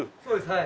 はい。